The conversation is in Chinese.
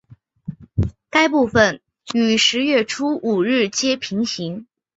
该部份与十月初五日街平行。